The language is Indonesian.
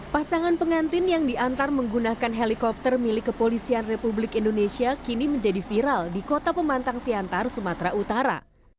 pasangan pengantin yang diantar menggunakan helikopter milik kepolisian republik indonesia kini menjadi viral di kota pemantang siantar sumatera utara